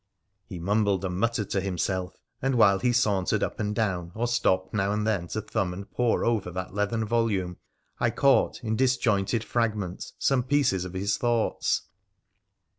He mumbled and muttered to himself, and while he sauntered up and down, or stopped now and then to thumb and pore over that leathern volume, I caught, in disjointed fragments, some pieces of his thoughts.